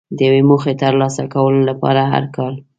د یوې موخې د ترلاسه کولو لپاره هر کال.